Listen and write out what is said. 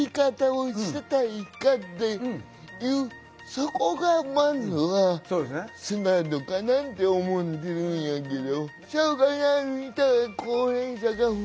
そこがまずはスタートかなって思ってるんやけど。